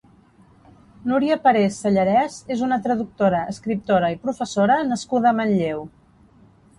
Núria Parés Sellarès és una traductora, escriptora i professora nascuda a Manlleu.